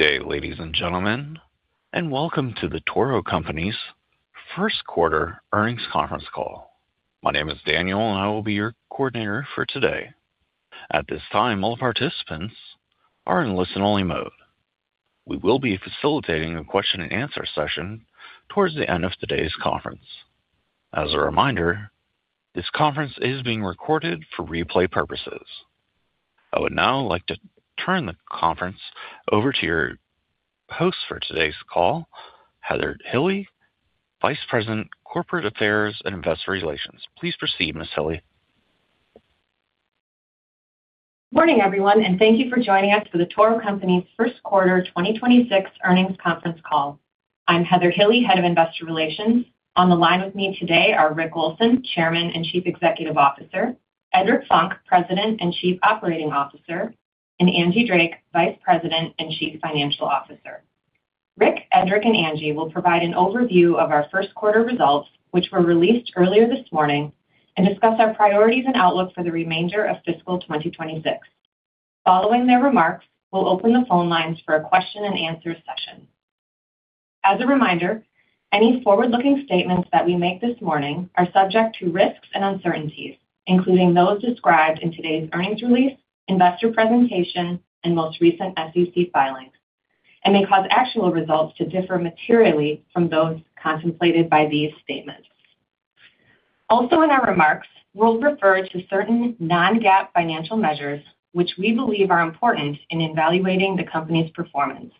Good day, ladies and gentlemen, and welcome to The Toro Company's first quarter earnings conference call. My name is Daniel, and I will be your coordinator for today. At this time, all participants are in listen-only mode. We will be facilitating a question-and-answer session towards the end of today's conference. As a reminder, this conference is being recorded for replay purposes. I would now like to turn the conference over to your host for today's call, Heather Hille, Vice President, Corporate Affairs and Investor Relations. Please proceed, Ms. Hille. Morning, everyone, and thank you for joining us for The Toro Company's first quarter 2026 earnings conference call. I'm Heather Hille, Head of Investor Relations. On the line with me today are Rick Olson, Chairman and Chief Executive Officer, Edric Funk, President and Chief Operating Officer, and Angie Drake, Vice President and Chief Financial Officer. Rick, Edric, and Angie will provide an overview of our first quarter results, which were released earlier this morning, and discuss our priorities and outlook for the remainder of fiscal 2026. Following their remarks, we'll open the phone lines for a question-and-answer session. As a reminder, any forward-looking statements that we make this morning are subject to risks and uncertainties, including those described in today's earnings release, investor presentation and most recent SEC filings, and may cause actual results to differ materially from those contemplated by these statements. Also in our remarks, we'll refer to certain non-GAAP financial measures, which we believe are important in evaluating the company's performance.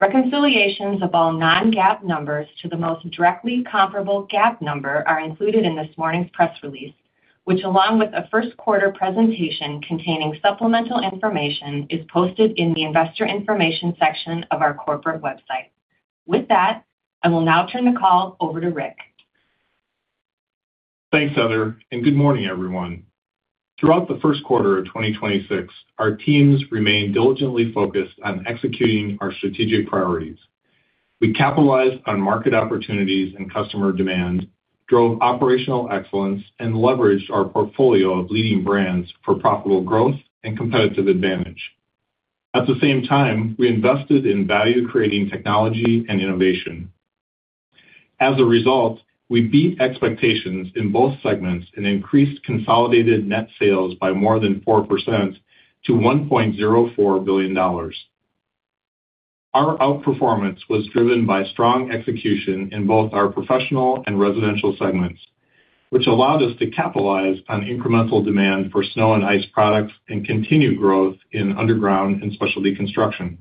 Reconciliations of all non-GAAP numbers to the most directly comparable GAAP number are included in this morning's press release, which, along with a first quarter presentation containing supplemental information, is posted in the investor information section of our corporate website. With that, I will now turn the call over to Rick. Thanks, Heather, and good morning, everyone. Throughout the first quarter of 2026, our teams remained diligently focused on executing our strategic priorities. We capitalized on market opportunities and customer demand, drove operational excellence, and leveraged our portfolio of leading brands for profitable growth and competitive advantage. At the same time, we invested in value-creating technology and innovation. As a result, we beat expectations in both segments and increased consolidated net sales by more than 4% to $1.04 billion. Our outperformance was driven by strong execution in both our professional and residential segments, which allowed us to capitalize on incremental demand for snow and ice products and continued growth in underground and specialty construction.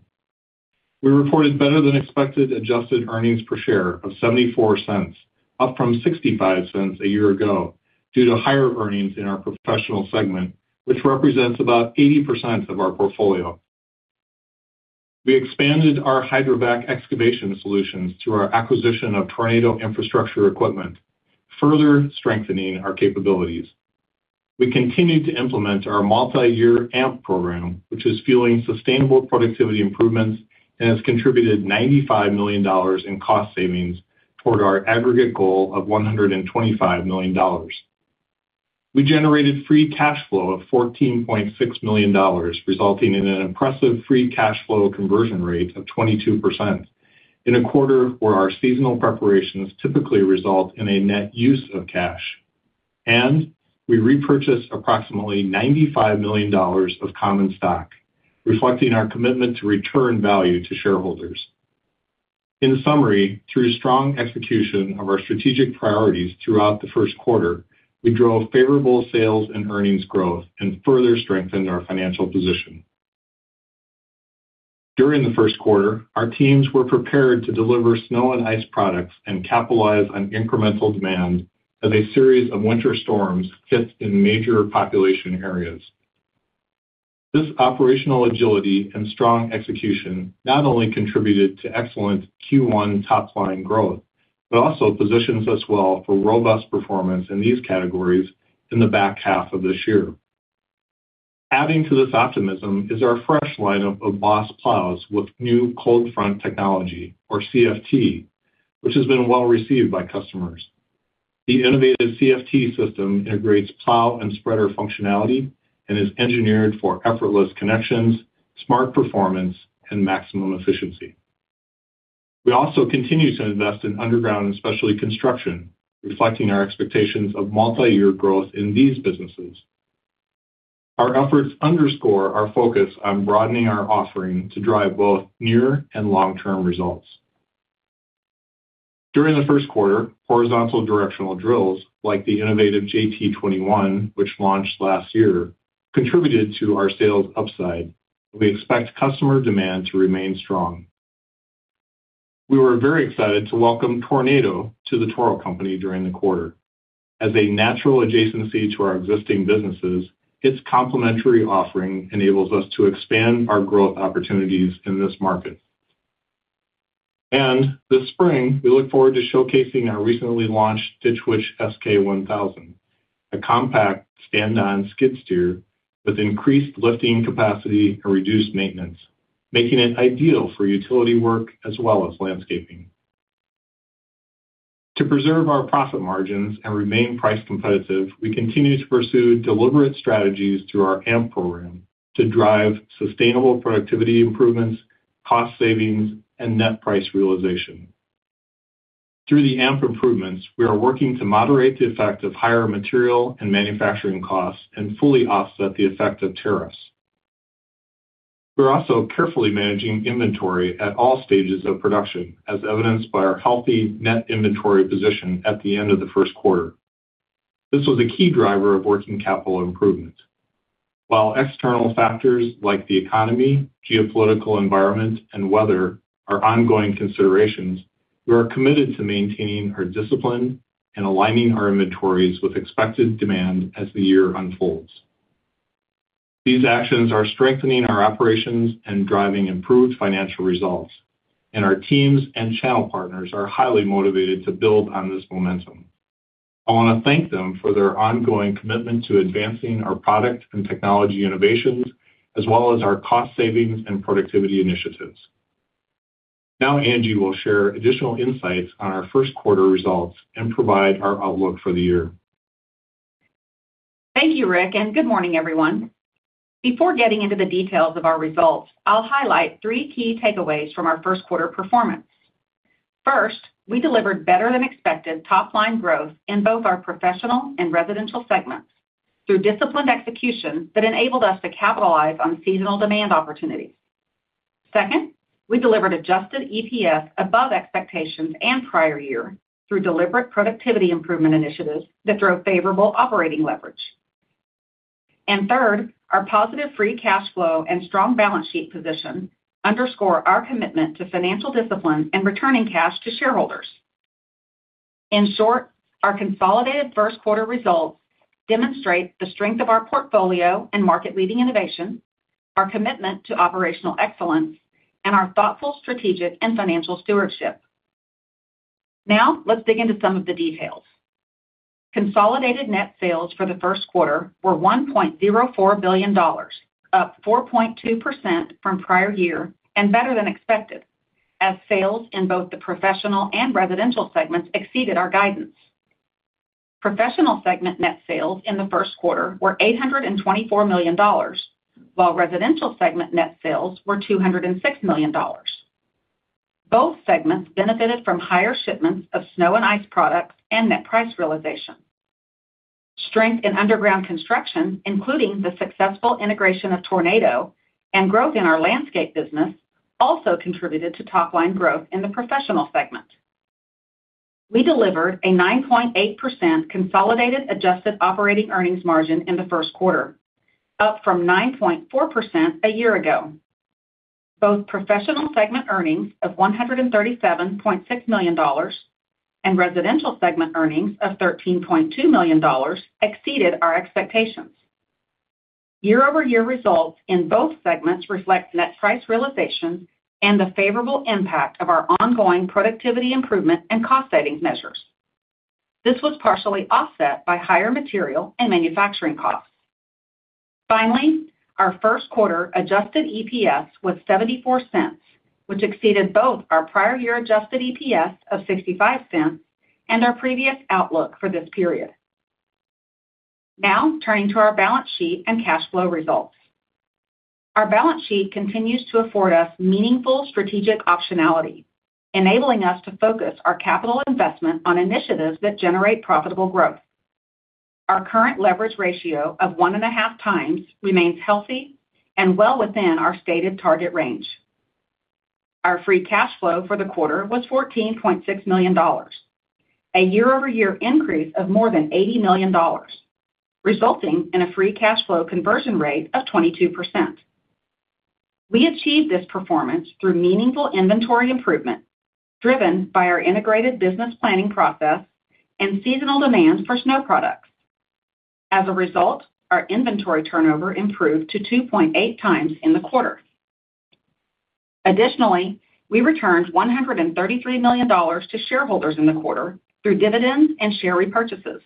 We reported better than expected adjusted earnings per share of $0.74, up from $0.65 a year ago, due to higher earnings in our professional segment, which represents about 80% of our portfolio. We expanded our hydrovac excavation solutions through our acquisition of Tornado Infrastructure Equipment, further strengthening our capabilities. We continued to implement our multi-year AMP program, which is fueling sustainable productivity improvements and has contributed $95 million in cost savings toward our aggregate goal of $125 million. We generated free cash flow of $14.6 million, resulting in an impressive free cash flow conversion rate of 22% in a quarter where our seasonal preparations typically result in a net use of cash. We repurchased approximately $95 million of common stock, reflecting our commitment to return value to shareholders. In summary, through strong execution of our strategic priorities throughout the first quarter, we drove favorable sales and earnings growth and further strengthened our financial position. During the first quarter, our teams were prepared to deliver snow and ice products and capitalize on incremental demand as a series of winter storms hit in major population areas. This operational agility and strong execution not only contributed to excellent Q1 top-line growth but also positions us well for robust performance in these categories in the back half of this year. Adding to this optimism is our fresh lineup of BOSS plows with new Cold Front Technology or CFT, which has been well received by customers. The innovative CFT system integrates plow and spreader functionality and is engineered for effortless connections, smart performance, and maximum efficiency. We also continue to invest in underground and specialty construction, reflecting our expectations of multi-year growth in these businesses. Our efforts underscore our focus on broadening our offering to drive both near and long-term results. During the first quarter, horizontal directional drills like the innovative JT21, which launched last year, contributed to our sales upside. We expect customer demand to remain strong. We were very excited to welcome Tornado to The Toro Company during the quarter. As a natural adjacency to our existing businesses, its complementary offering enables us to expand our growth opportunities in this market. This spring, we look forward to showcasing our recently launched Ditch Witch SK1000, a compact stand-on skid steer with increased lifting capacity and reduced maintenance, making it ideal for utility work as well as landscaping. To preserve our profit margins and remain price competitive, we continue to pursue deliberate strategies through our AMP program to drive sustainable productivity improvements, cost savings, and net price realization. Through the AMP improvements, we are working to moderate the effect of higher material and manufacturing costs and fully offset the effect of tariffs. We're also carefully managing inventory at all stages of production, as evidenced by our healthy net inventory position at the end of the first quarter. This was a key driver of working capital improvement. While external factors like the economy, geopolitical environment, and weather are ongoing considerations, we are committed to maintaining our discipline and aligning our inventories with expected demand as the year unfolds. These actions are strengthening our operations and driving improved financial results. Our teams and channel partners are highly motivated to build on this momentum. I wanna thank them for their ongoing commitment to advancing our product and technology innovations, as well as our cost savings and productivity initiatives. Angie will share additional insights on our first quarter results and provide our outlook for the year. Thank you, Rick, and good morning, everyone. Before getting into the details of our results, I'll highlight three key takeaways from our 1st quarter performance. First, we delivered better than expected top-line growth in both our professional and residential segments through disciplined execution that enabled us to capitalize on seasonal demand opportunities. Second, we delivered adjusted EPS above expectations and prior year through deliberate productivity improvement initiatives that drove favorable operating leverage. Third, our positive free cash flow and strong balance sheet position underscore our commitment to financial discipline and returning cash to shareholders. In short, our consolidated 1st quarter results demonstrate the strength of our portfolio and market-leading innovation, our commitment to operational excellence, and our thoughtful strategic and financial stewardship. Let's dig into some of the details. Consolidated net sales for the first quarter were $1.04 billion, up 4.2% from prior year and better than expected as sales in both the professional and residential segments exceeded our guidance. Professional segment net sales in the first quarter were $824 million, while residential segment net sales were $206 million. Both segments benefited from higher shipments of snow and ice products and net price realization. Strength in underground construction, including the successful integration of Tornado and growth in our landscape business, also contributed to top-line growth in the professional segment. We delivered a 9.8% consolidated adjusted operating earnings margin in the first quarter, up from 9.4% a year ago. Both professional segment earnings of $137.6 million and residential segment earnings of $13.2 million exceeded our expectations. Year-over-year results in both segments reflect net price realization and the favorable impact of our ongoing productivity improvement and cost savings measures. This was partially offset by higher material and manufacturing costs. Finally, our first quarter adjusted EPS was $0.74, which exceeded both our prior year adjusted EPS of $0.65 and our previous outlook for this period. Now turning to our balance sheet and cash flow results. Our balance sheet continues to afford us meaningful strategic optionality, enabling us to focus our capital investment on initiatives that generate profitable growth. Our current leverage ratio of 1.5x remains healthy and well within our stated target range. Our free cash flow for the quarter was $14.6 million, a year-over-year increase of more than $80 million, resulting in a free cash flow conversion rate of 22%. We achieved this performance through meaningful inventory improvement driven by our integrated business planning process and seasonal demands for snow products. As a result, our inventory turnover improved to 2.8x in the quarter. Additionally, we returned $133 million to shareholders in the quarter through dividends and share repurchases,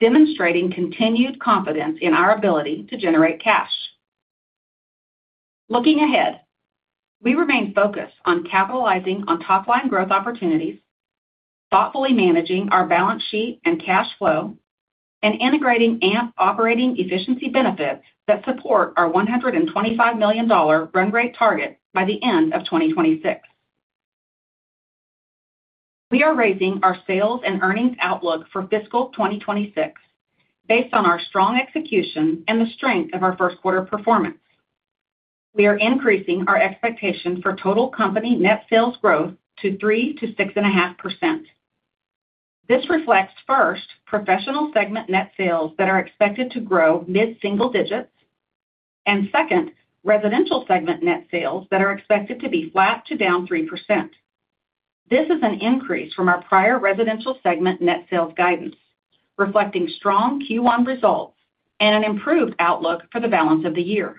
demonstrating continued confidence in our ability to generate cash. Looking ahead, we remain focused on capitalizing on top-line growth opportunities, thoughtfully managing our balance sheet and cash flow, and integrating AMP operating efficiency benefits that support our $125 million run rate target by the end of 2026. We are raising our sales and earnings outlook for fiscal 2026 based on our strong execution and the strength of our first quarter performance. We are increasing our expectation for total company net sales growth to 3% to 6.5%. This reflects, first, professional segment net sales that are expected to grow mid-single digits, and second, residential segment net sales that are expected to be flat to down 3%. This is an increase from our prior residential segment net sales guidance, reflecting strong Q1 results and an improved outlook for the balance of the year.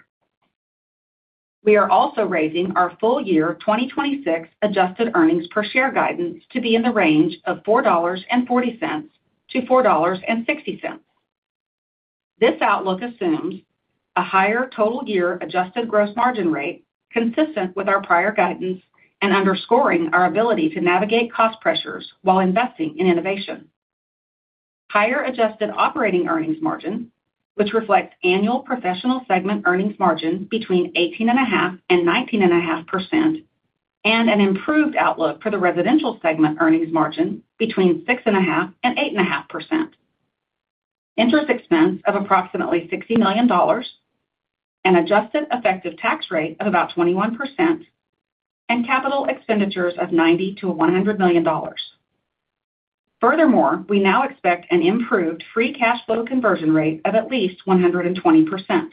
We are also raising our full year 2026 adjusted earnings per share guidance to be in the range of $4.40-$4.60. This outlook assumes a higher total year adjusted gross margin rate consistent with our prior guidance and underscoring our ability to navigate cost pressures while investing in innovation. Higher adjusted operating earnings margin, which reflects annual professional segment earnings margin between 18.5% and 19.5%, and an improved outlook for the residential segment earnings margin between 6.5% and 8.5%. Interest expense of approximately $60 million. An adjusted effective tax rate of about 21%, and capital expenditures of $90 million-$100 million. We now expect an improved free cash flow conversion rate of at least 120%.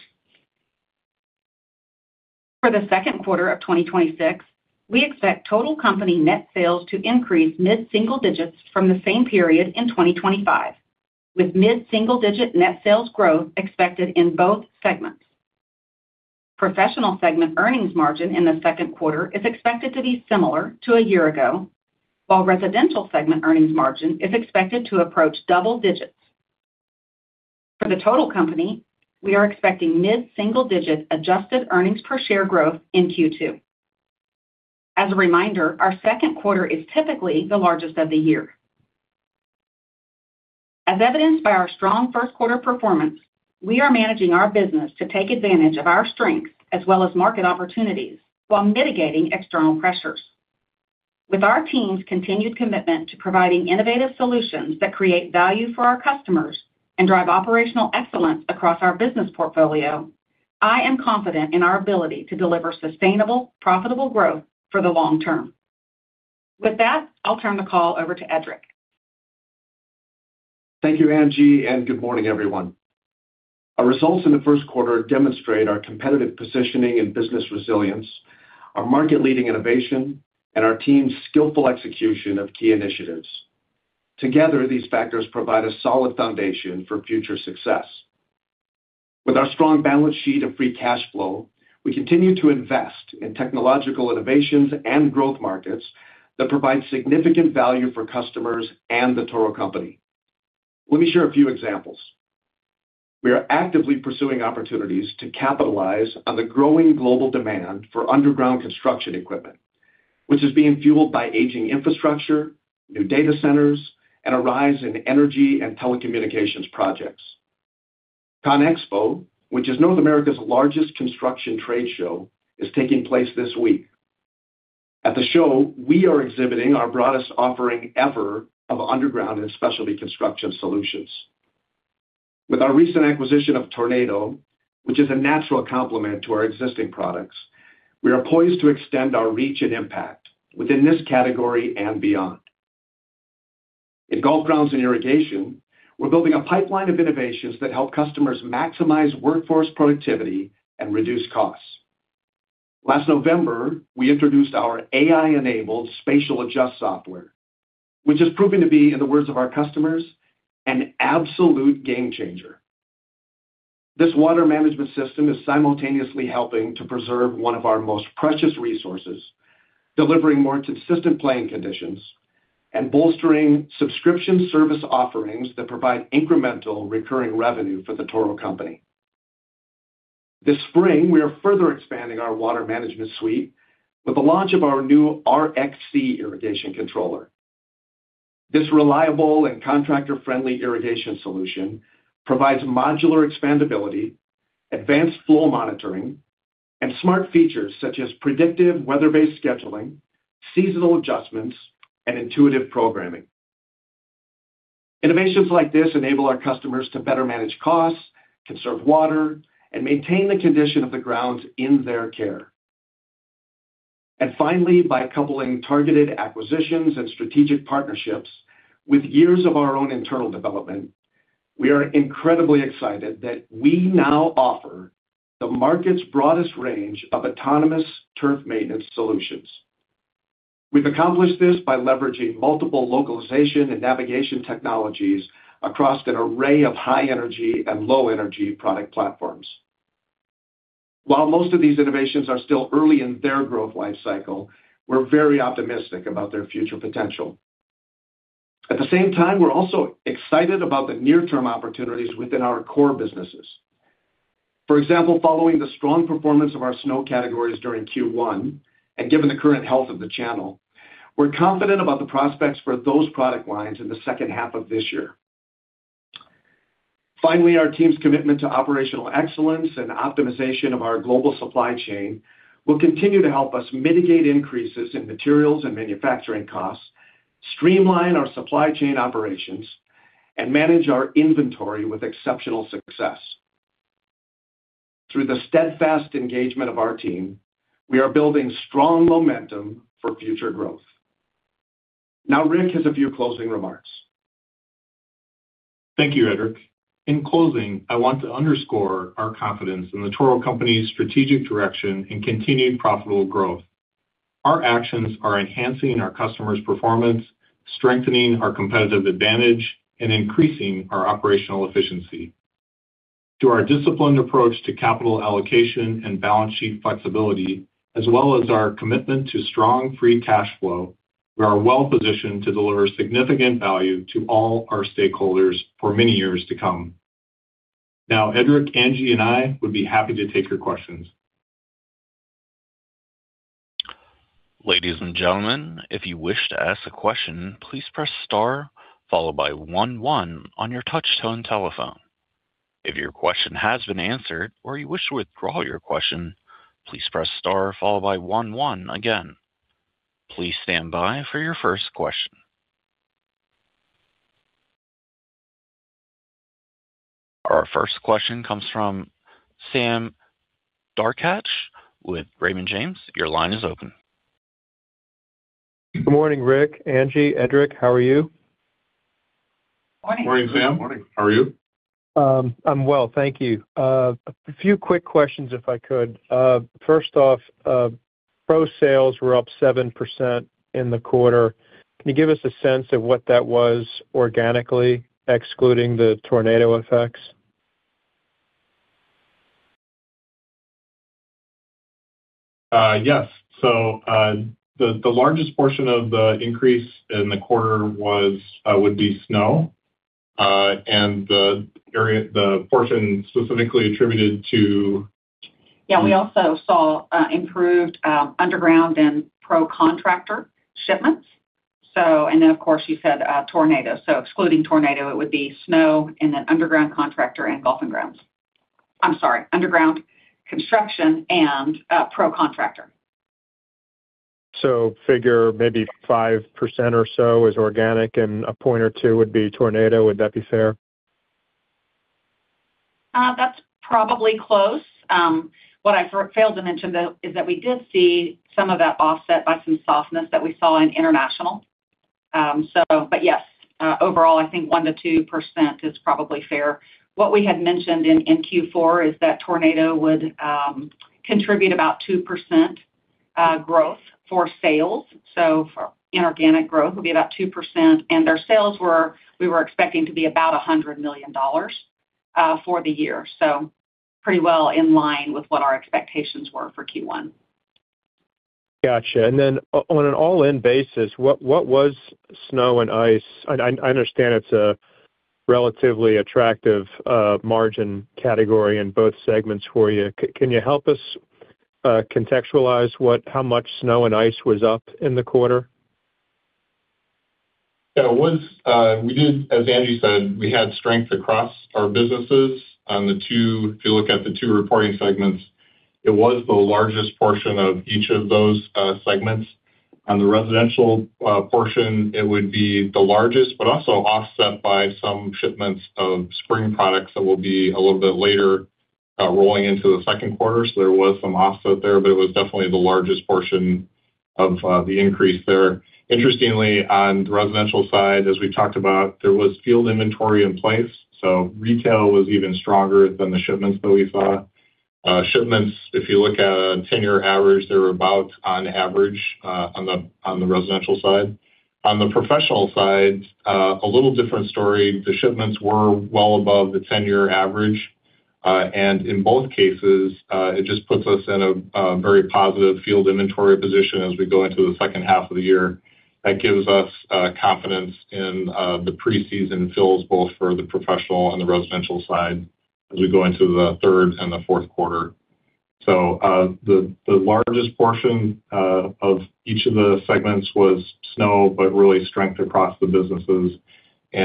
For the second quarter of 2026, we expect total company net sales to increase mid-single digits from the same period in 2025, with mid-single-digit net sales growth expected in both segments. Professional segment earnings margin in the second quarter is expected to be similar to a year ago, while residential segment earnings margin is expected to approach double digits. For the total company, we are expecting mid-single-digit adjusted earnings per share growth in Q2. As a reminder, our second quarter is typically the largest of the year. As evidenced by our strong first quarter performance, we are managing our business to take advantage of our strengths as well as market opportunities while mitigating external pressures. With our team's continued commitment to providing innovative solutions that create value for our customers and drive operational excellence across our business portfolio, I am confident in our ability to deliver sustainable, profitable growth for the long term. With that, I'll turn the call over to Edric. Thank you, Angie. Good morning, everyone. Our results in the first quarter demonstrate our competitive positioning and business resilience, our market-leading innovation, and our team's skillful execution of key initiatives. Together, these factors provide a solid foundation for future success. With our strong balance sheet of free cash flow, we continue to invest in technological innovations and growth markets that provide significant value for customers and The Toro Company. Let me share a few examples. We are actively pursuing opportunities to capitalize on the growing global demand for underground construction equipment, which is being fueled by aging infrastructure, new data centers, and a rise in energy and telecommunications projects. ConExpo, which is North America's largest construction trade show, is taking place this week. At the show, we are exhibiting our broadest offering ever of underground and specialty construction solutions. With our recent acquisition of Tornado, which is a natural complement to our existing products, we are poised to extend our reach and impact within this category and beyond. In golf grounds and irrigation, we're building a pipeline of innovations that help customers maximize workforce productivity and reduce costs. Last November, we introduced our AI-enabled spatial adjust software, which is proving to be, in the words of our customers, an absolute game changer. This water management system is simultaneously helping to preserve one of our most precious resources, delivering more consistent playing conditions, and bolstering subscription service offerings that provide incremental recurring revenue for The Toro Company. This spring, we are further expanding our water management suite with the launch of our new RXC irrigation controller. This reliable and contractor-friendly irrigation solution provides modular expandability, advanced flow monitoring, and smart features such as predictive weather-based scheduling, seasonal adjustments, and intuitive programming. Innovations like this enable our customers to better manage costs, conserve water, and maintain the condition of the grounds in their care. Finally, by coupling targeted acquisitions and strategic partnerships with years of our own internal development, we are incredibly excited that we now offer the market's broadest range of autonomous turf maintenance solutions. We've accomplished this by leveraging multiple localization and navigation technologies across an array of high-energy and low-energy product platforms. While most of these innovations are still early in their growth lifecycle, we're very optimistic about their future potential. At the same time, we're also excited about the near-term opportunities within our core businesses. For example, following the strong performance of our snow categories during Q1, and given the current health of the channel, we're confident about the prospects for those product lines in the second half of this year. Finally, our team's commitment to operational excellence and optimization of our global supply chain will continue to help us mitigate increases in materials and manufacturing costs, streamline our supply chain operations, and manage our inventory with exceptional success. Through the steadfast engagement of our team, we are building strong momentum for future growth. Now Rick has a few closing remarks. Thank you, Edric. In closing, I want to underscore our confidence in The Toro Company's strategic direction and continued profitable growth. Our actions are enhancing our customers' performance, strengthening our competitive advantage, and increasing our operational efficiency. Through our disciplined approach to capital allocation and balance sheet flexibility, as well as our commitment to strong free cash flow. We are well positioned to deliver significant value to all our stakeholders for many years to come. Now, Edric, Angie, and I would be happy to take your questions. Ladies and gentlemen, if you wish to ask a question, please press star followed by one one on your touchtone telephone. If your question has been answered or you wish to withdraw your question, please press star followed by one one again. Please stand by for your first question. Our first question comes from Sam Darkatsh with Raymond James. Your line is open. Good morning, Rick, Angie, Edric. How are you? Morning. Morning, Sam. Morning. How are you? I'm well, thank you. A few quick questions, if I could. First off, pro sales were up 7% in the quarter. Can you give us a sense of what that was organically, excluding the Tornado effects? Yes. The largest portion of the increase in the quarter was would be snow. The portion specifically attributed to Yeah, we also saw improved underground and pro contractor shipments. Of course you said Tornado. Excluding Tornado, it would be snow in an underground contractor and golf and grounds. I'm sorry, underground construction and pro contractor. Figure maybe 5% or so is organic and a point or two would be Tornado. Would that be fair? That's probably close. What I failed to mention, though, is that we did see some of that offset by some softness that we saw in international. Yes, overall, I think 1%-2% is probably fair. What we had mentioned in Q4 is that Tornado would contribute about 2% growth for sales. For inorganic growth, it would be about 2%. Their sales we were expecting to be about $100 million for the year. Pretty well in line with what our expectations were for Q1. Gotcha. On an all-in basis, what was snow and ice? I understand it's a relatively attractive, margin category in both segments for you. Can you help us contextualize how much snow and ice was up in the quarter? Yeah, it was. As Angie said, we had strength across our businesses. If you look at the two reporting segments, it was the largest portion of each of those segments. On the residential portion, it would be the largest, but also offset by some shipments of spring products that will be a little bit later, rolling into the second quarter. There was some offset there, but it was definitely the largest portion of the increase there. Interestingly, on the residential side, as we talked about, there was field inventory in place, so retail was even stronger than the shipments that we saw. Shipments, if you look at a 10-year average, they were about on average on the residential side. On the professional side, a little different story. The shipments were well above the 10-year average. In both cases, it just puts us in a very positive field inventory position as we go into the second half of the year. That gives us confidence in the preseason fills both for the professional and the residential side as we go into the third and the fourth quarter. The largest portion of each of the segments was snow, but really strength across the businesses. You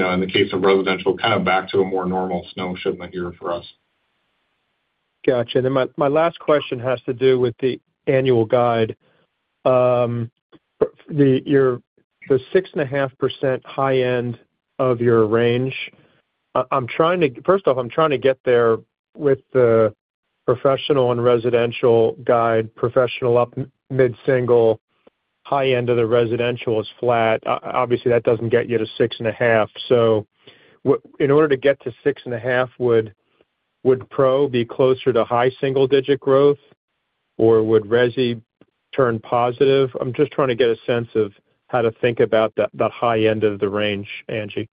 know, in the case of residential, kind of back to a more normal snow shipment year for us. Got you. My, my last question has to do with the annual guide. The 6.5% high end of your range. I'm trying to... First off, I'm trying to get there with the professional and residential guide, professional up mid-single, high end of the residential is flat. Obviously, that doesn't get you to 6.5. In order to get to 6.5, would pro be closer to high single digit growth, or would resi turn positive? I'm just trying to get a sense of how to think about the high end of the range, Angie.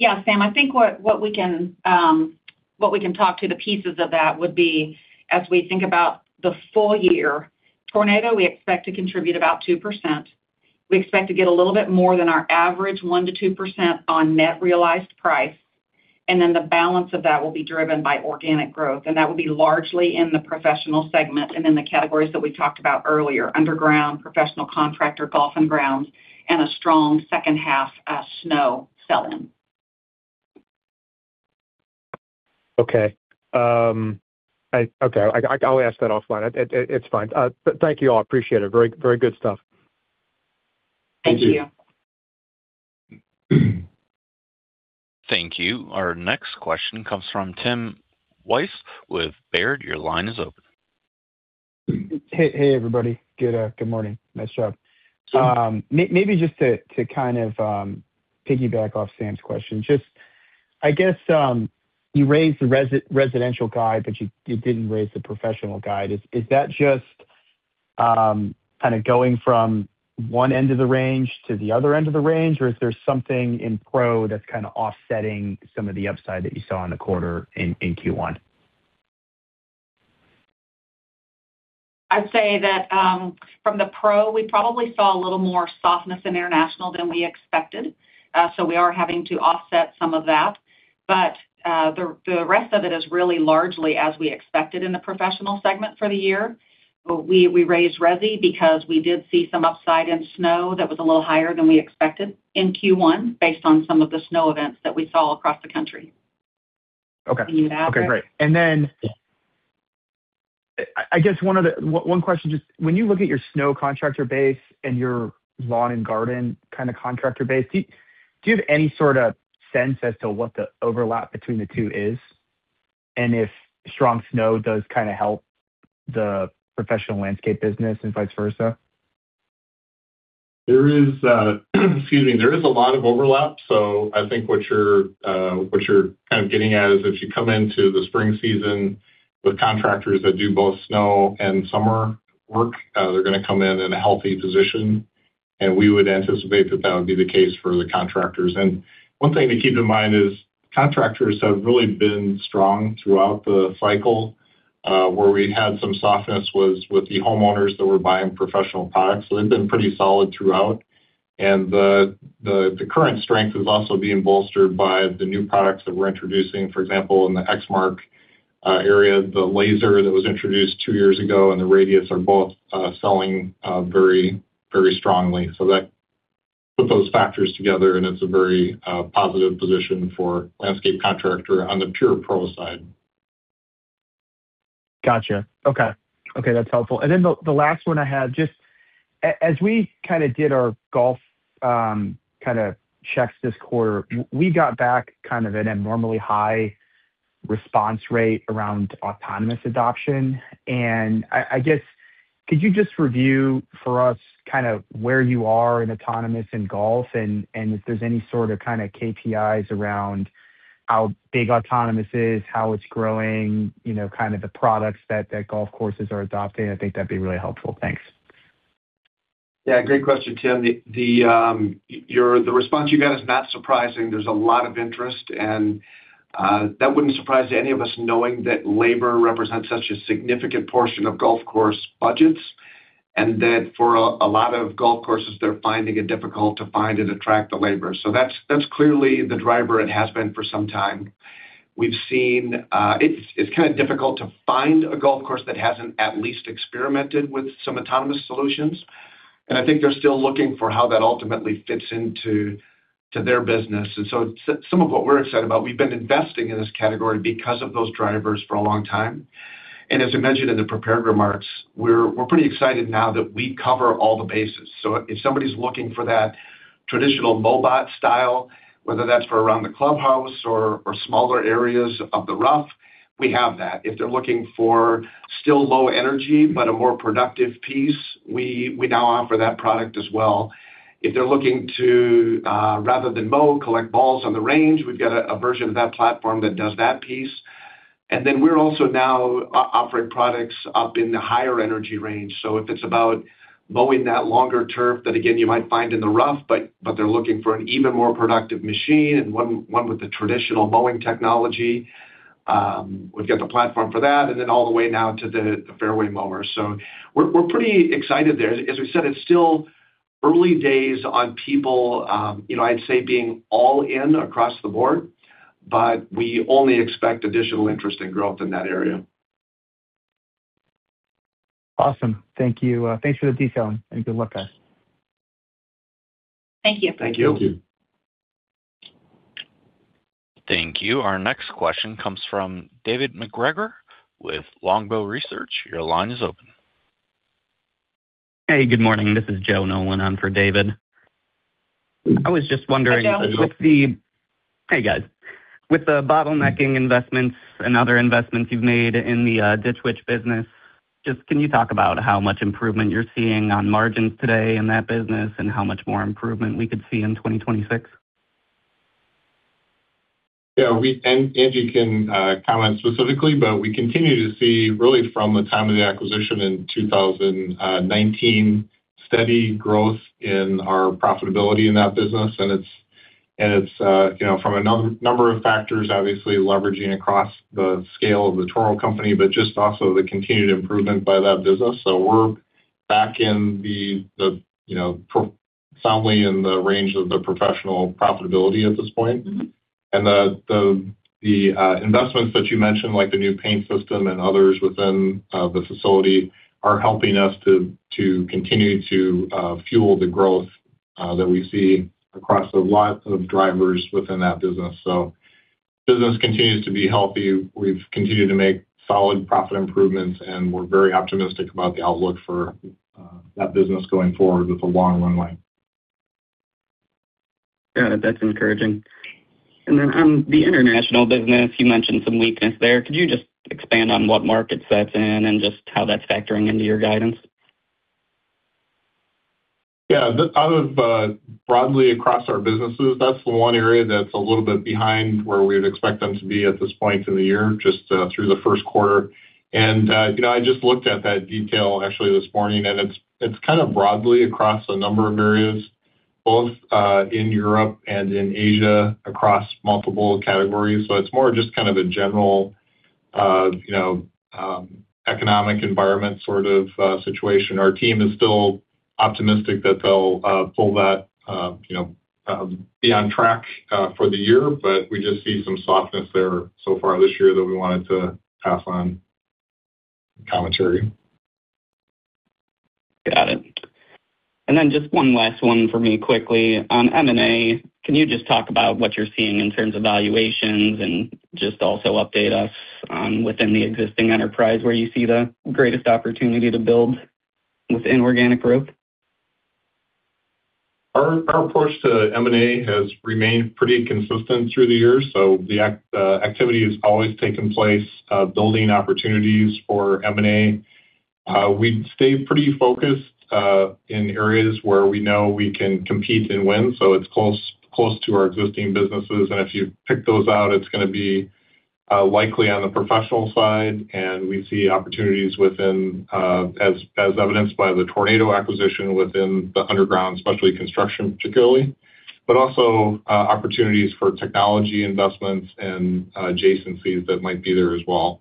Sam, I think what we can, what we can talk to the pieces of that would be as we think about the full year. Tornado, we expect to contribute about 2%. We expect to get a little bit more than our average 1%-2% on net realized price, and then the balance of that will be driven by organic growth, and that would be largely in the professional segment and in the categories that we talked about earlier: underground, professional contractor, golf and grounds, and a strong second half, snow sell-in. Okay. Okay, I'll ask that offline. It's fine. Thank you all. Appreciate it. Very, very good stuff. Thank you. Thank you. Thank you. Our next question comes from Tim Wojs with Baird. Your line is open. Hey, hey, everybody. Good, good morning. Nice job. Maybe just to kind of piggyback off Sam's question. Just I guess, you raised the residential guide, but you didn't raise the professional guide. Is that just Kind of going from one end of the range to the other end of the range, or is there something in Pro that's kind of offsetting some of the upside that you saw in the quarter in Q1? I'd say that, from the Pro, we probably saw a little more softness in international than we expected. We are having to offset some of that. The rest of it is really largely as we expected in the professional segment for the year. We raised resi because we did see some upside in snow that was a little higher than we expected in Q1 based on some of the snow events that we saw across the country. Okay, great. I guess one question, just when you look at your snow contractor base and your lawn and garden kind of contractor base, do you have any sort of sense as to what the overlap between the two is, and if strong snow does kind of help the professional landscape business and vice versa? There is, excuse me, there is a lot of overlap. I think what you're, what you're kind of getting at is if you come into the spring season with contractors that do both snow and summer work, they're gonna come in in a healthy position, and we would anticipate that that would be the case for the contractors. One thing to keep in mind is contractors have really been strong throughout the cycle. Where we had some softness was with the homeowners that were buying professional products. They've been pretty solid throughout. The current strength is also being bolstered by the new products that we're introducing. For example, in the Exmark area, the Lazer that was introduced two years ago and the Radius are both selling very strongly. That... Put those factors together, and it's a very positive position for landscape contractor on the pure Pro side. Gotcha. Okay. Okay, that's helpful. The last one I had, just as we kind of did our golf, kind of checks this quarter, we got back kind of an abnormally high response rate around autonomous adoption. I guess, could you just review for us kind of where you are in autonomous in golf and if there's any sort of kind of KPIs around how big autonomous is, how it's growing, you know, kind of the products that golf courses are adopting. I think that'd be really helpful. Thanks. Yeah, great question, Tim. The response you got is not surprising. There's a lot of interest and that wouldn't surprise any of us knowing that labor represents such a significant portion of golf course budgets, and that for a lot of golf courses, they're finding it difficult to find and attract the labor. That's clearly the driver. It has been for some time. We've seen it's kind of difficult to find a golf course that hasn't at least experimented with some autonomous solutions. I think they're still looking for how that ultimately fits into their business. Some of what we're excited about, we've been investing in this category because of those drivers for a long time. As I mentioned in the prepared remarks, we're pretty excited now that we cover all the bases. If somebody's looking for that traditional mobot style, whether that's for around the clubhouse or smaller areas of the rough, we have that. If they're looking for still low energy, but a more productive piece, we now offer that product as well. If they're looking to rather than mow, collect balls on the range, we've got a version of that platform that does that piece. We're also now offering products up in the higher energy range. If it's about mowing that longer turf that again, you might find in the rough, but they're looking for an even more productive machine and one with the traditional mowing technology, we've got the platform for that, and then all the way now to the fairway mowers. We're pretty excited there. As we said, it's still early days on people, you know, I'd say being all in across the board, but we only expect additional interest and growth in that area. Awesome. Thank you. Thanks for the detail. Good luck, guys. Thank you. Thank you. Thank you. Thank you. Our next question comes from David MacGregor with Longbow Research. Your line is open. Hey, good morning. This is Joe Nolan on for David. I was just wondering. Hi, Joe. Hey, guys. With the bottlenecking investments and other investments you've made in the Ditch Witch business, just can you talk about how much improvement you're seeing on margins today in that business and how much more improvement we could see in 2026? Yeah, Angie can comment specifically, but we continue to see really from the time of the acquisition in 2019 steady growth in our profitability in that business. it's, you know, from a number of factors, obviously leveraging across the scale of The Toro Company, but just also the continued improvement by that business. we're back in the, you know, firmly in the range of the professional profitability at this point. the investments that you mentioned, like the new paint system and others within the facility, are helping us to continue to fuel the growth that we see across a lot of drivers within that business. Business continues to be healthy. We've continued to make solid profit improvements, we're very optimistic about the outlook for that business going forward with a long runway. Got it. That's encouraging. On the international business, you mentioned some weakness there. Could you just expand on what markets that's in and just how that's factoring into your guidance? Yeah. Out of broadly across our businesses, that's the one area that's a little bit behind where we'd expect them to be at this point in the year, just through the first quarter. You know, I just looked at that detail actually this morning, and it's kind of broadly across a number of areas, both in Europe and in Asia across multiple categories. It's more just kind of a general, you know, economic environment sort of situation. Our team is still optimistic that they'll pull that, you know, be on track for the year, but we just see some softness there so far this year that we wanted to pass on commentary. Got it. Just one last one for me quickly. On M&A, can you just talk about what you're seeing in terms of valuations and just also update us on within the existing enterprise where you see the greatest opportunity to build with inorganic growth? Our approach to M&A has remained pretty consistent through the years, the activity has always taken place, building opportunities for M&A. We stay pretty focused in areas where we know we can compete and win, it's close to our existing businesses. If you pick those out, it's gonna be likely on the professional side, we see opportunities within, as evidenced by the Tornado acquisition within the underground, especially construction particularly, but also opportunities for technology investments and adjacencies that might be there as well.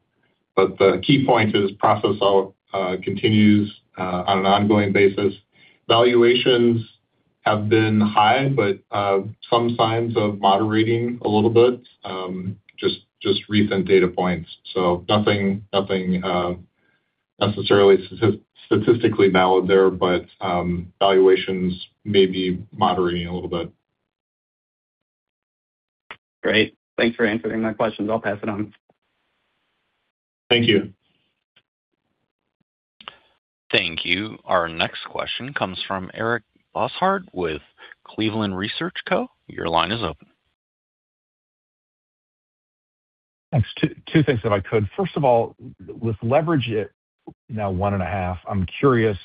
The key point is process out, continues on an ongoing basis. Valuations have been high, but some signs of moderating a little bit, just recent data points. Nothing, nothing necessarily statistically valid there, but valuations may be moderating a little bit. Great. Thanks for answering my questions. I'll pass it on. Thank you. Thank you. Our next question comes from Eric Bosshard with Cleveland Research Co. Your line is open. Thanks. Two things if I could. First of all, with leverage at now 1.5, I'm curious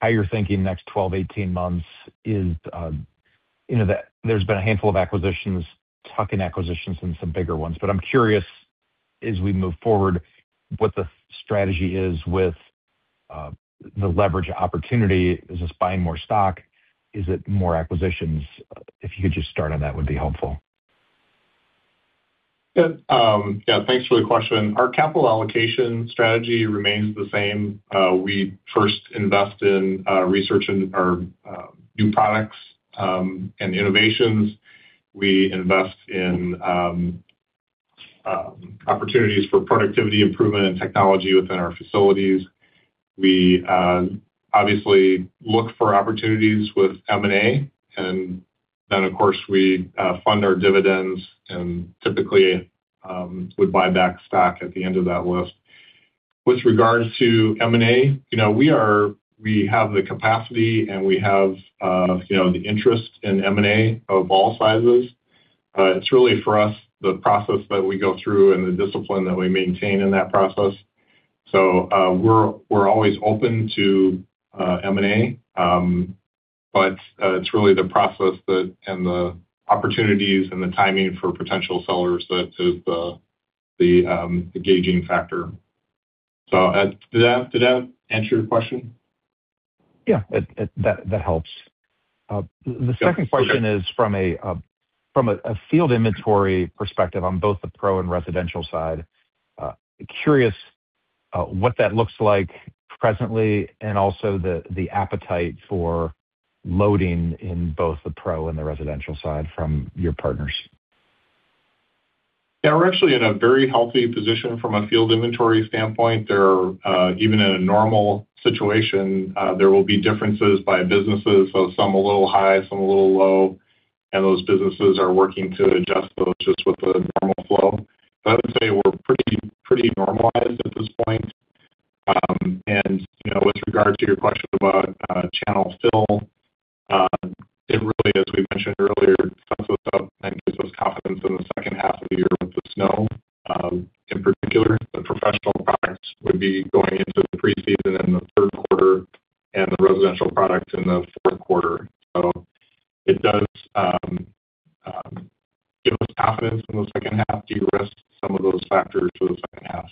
how you're thinking next 12-18 months is, you know that there's been a handful of acquisitions, tuck-in acquisitions and some bigger ones. I'm curious, as we move forward, what the strategy is with the leverage opportunity. Is this buying more stock? Is it more acquisitions? If you could just start on that would be helpful. Yeah, thanks for the question. Our capital allocation strategy remains the same. We first invest in research and our new products and innovations. We invest in opportunities for productivity improvement and technology within our facilities. We obviously look for opportunities with M&A. Of course, we fund our dividends and typically would buy back stock at the end of that list. With regards to M&A, you know, we have the capacity, and we have, you know, the interest in M&A of all sizes. It's really for us, the process that we go through and the discipline that we maintain in that process. We're always open to M&A, but it's really the process that and the opportunities and the timing for potential sellers that is the gauging factor. Did that answer your question? Yeah. That helps. The second question- Yeah. Okay. -is from a, from a field inventory perspective on both the pro and residential side. Curious what that looks like presently and also the appetite for loading in both the pro and the residential side from your partners. Yeah. We're actually in a very healthy position from a field inventory standpoint. There are, even in a normal situation, there will be differences by businesses, so some a little high, some a little low, and those businesses are working to adjust those just with the normal flow. I would say we're pretty normalized at this point. And, you know, with regards to your question about channel still, it really as we mentioned earlier, sets us up and gives us confidence in the second half of the year with the snow, in particular, the professional products would be going into the preseason in the third quarter and the residential product in the fourth quarter. It does give us confidence in the second half, de-risk some of those factors for the second half.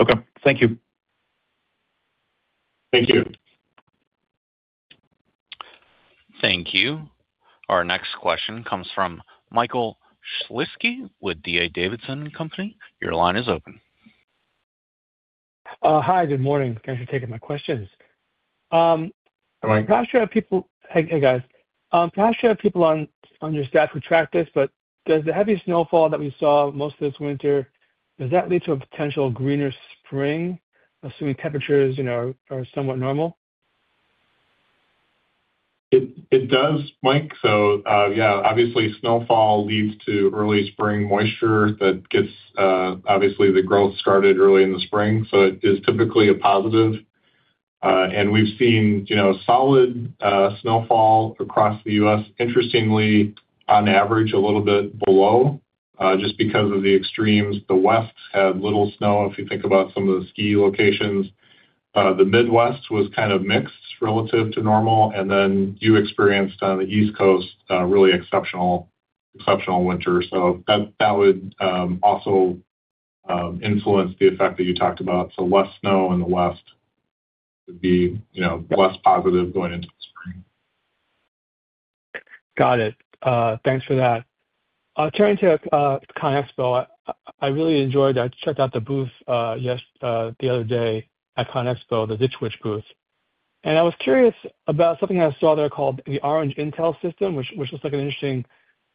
Okay. Thank you. Thank you. Thank you. Our next question comes from Michael Shlisky with D.A. Davidson & Co. Your line is open. Hi, good morning. Thanks for taking my questions. Good morning. Hey, guys. not sure if people on your staff who track this, does the heavy snowfall that we saw most of this winter, does that lead to a potential greener spring, assuming temperatures, you know, are somewhat normal? It does, Mike. Yeah, obviously snowfall leads to early spring moisture that gets, obviously the growth started early in the spring, so it is typically a positive. We've seen, you know, solid snowfall across the U.S., interestingly, on average, a little bit below. Just because of the extremes, the West had little snow, if you think about some of the ski locations. The Midwest was kind of mixed relative to normal. You experienced on the East Coast, really exceptional winter. That would also influence the effect that you talked about. Less snow in the West would be, you know, less positive going into the spring. Got it. Thanks for that. Turning to ConExpo, I really enjoyed that. I checked out the booth the other day at ConExpo, the Ditch Witch booth. I was curious about something I saw there called the Orange Intel system, which looks like an interesting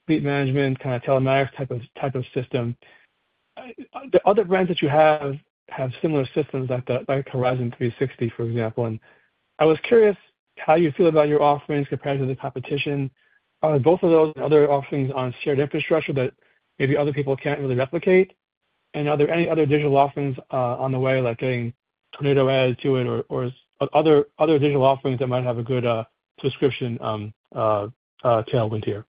fleet management, kind of telematics type of system. The other brands that you have have similar systems like Horizon360, for example. I was curious how you feel about your offerings compared to the competition. Are both of those other offerings on shared infrastructure that maybe other people can't really replicate? Are there any other digital offerings on the way, like getting Tornado added to it or other digital offerings that might have a good subscription tailwind here?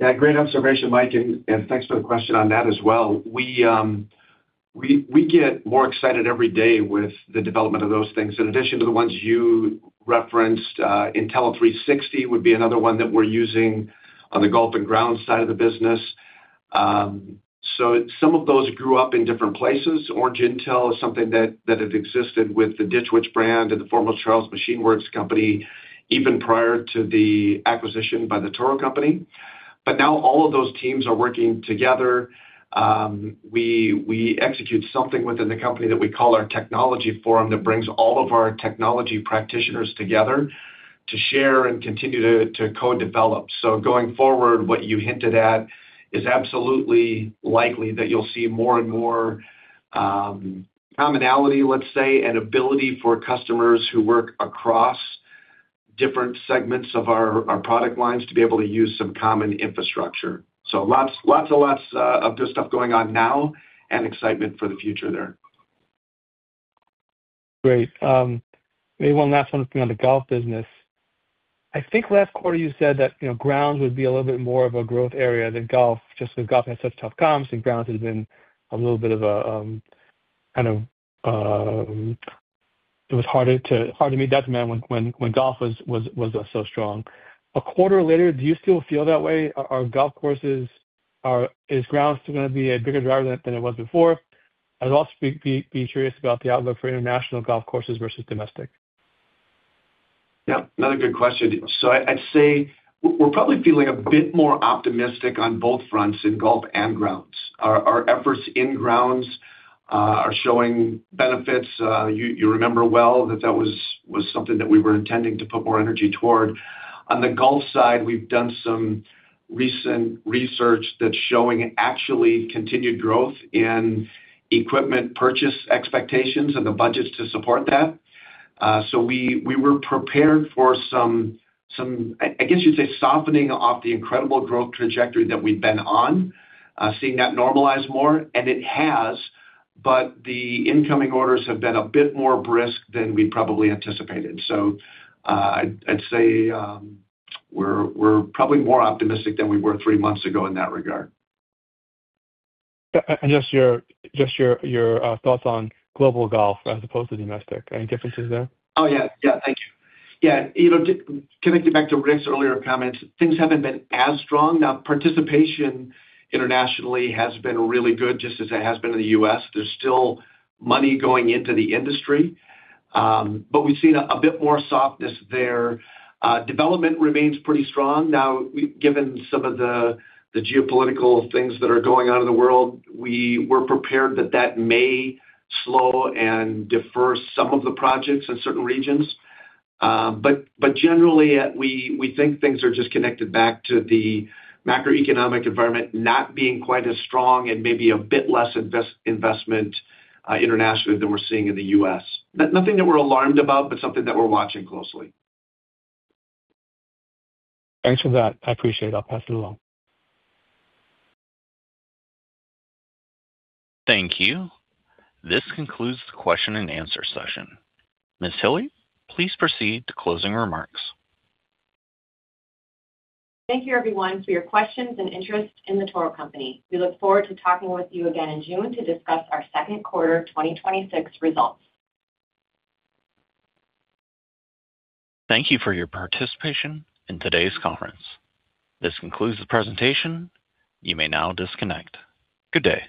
Yeah. Great observation, Mike, and thanks for the question on that as well. We get more excited every day with the development of those things. In addition to the ones you referenced, Intelli 360 would be another one that we're using on the golf and grounds side of the business. Some of those grew up in different places. Orange Intel is something that had existed with the Ditch Witch brand in the form of Charles Machine Works company, even prior to the acquisition by The Toro Company. Now all of those teams are working together. We execute something within the company that we call our technology forum that brings all of our technology practitioners together to share and continue to co-develop. Going forward, what you hinted at is absolutely likely that you'll see more and more commonality, let's say, and ability for customers who work across different segments of our product lines to be able to use some common infrastructure. Lots and lots of good stuff going on now and excitement for the future there. Great. Maybe one last one on the golf business. I think last quarter you said that, you know, grounds would be a little bit more of a growth area than golf, just 'cause golf had such tough comps and grounds had been a little bit of a kind of hard to meet that demand when golf was so strong. A quarter later, do you still feel that way? Are golf courses? Is grounds gonna be a bigger driver than it was before? I would also be curious about the outlook for international golf courses versus domestic. Yeah, another good question. I'd say we're probably feeling a bit more optimistic on both fronts in golf and grounds. Our efforts in grounds are showing benefits. You remember well that that was something that we were intending to put more energy toward. On the golf side, we've done some recent research that's showing actually continued growth in equipment purchase expectations and the budgets to support that. We were prepared for some, I guess you'd say, softening off the incredible growth trajectory that we've been on, seeing that normalize more, and it has. The incoming orders have been a bit more brisk than we probably anticipated. I'd say we're probably more optimistic than we were three months ago in that regard. Just your thoughts on global golf as opposed to domestic. Any differences there? Oh, yeah. Yeah. Thank you. Yeah. You know, to connect it back to Rick's earlier comments, things haven't been as strong. Participation internationally has been really good, just as it has been in the U.S. There's still money going into the industry, but we've seen a bit more softness there. Development remains pretty strong. We've given some of the geopolitical things that are going on in the world, we were prepared that that may slow and defer some of the projects in certain regions. Generally, we think things are just connected back to the macroeconomic environment not being quite as strong and maybe a bit less investment internationally than we're seeing in the U.S. Nothing that we're alarmed about, but something that we're watching closely. Thanks for that. I appreciate it. I'll pass it along. Thank you. This concludes the question and answer session. Ms. Hille, please proceed to closing remarks. Thank you everyone for your questions and interest in The Toro Company. We look forward to talking with you again in June to discuss our second quarter 2026 results. Thank you for your participation in today's conference. This concludes the presentation. You may now disconnect. Good day.